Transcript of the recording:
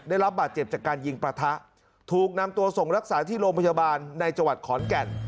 ได้รับบาดเจ็บจากการยิงประทะถูกนำตัวส่งรักษาที่โรงพยาบาลในจังหวัดขอนแก่น